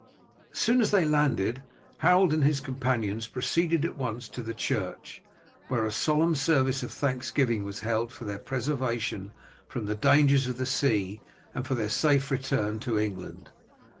As soon as they landed Harold and his companions proceeded at once to the church, where a solemn service of thanksgiving was held for their preservation from the dangers of the sea and for their safe return to England.